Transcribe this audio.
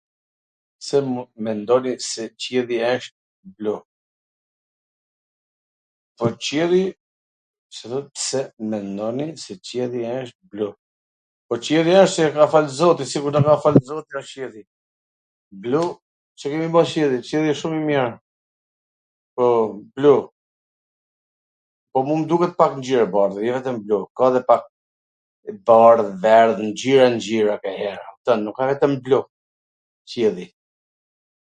Pse mendoni se qjelli wsht blu? Po qielli wsht se e ka fal zoti, se e ka fal zoti a qielli, blu, Ca ke me pas qielli, qielli wsht shum i mir, po, blu, po mu m duket edhe pak e bardhe, ka edhe ngjyr t bardh, e bardh, e verdh, ngjyra ngjyra kanjher, kupton, nuk ka vetwm blu, qielli.